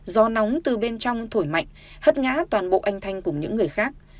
gió nóng từ bên trong thổi mạnh hất ngã toàn bộ anh thanh cùng những người khác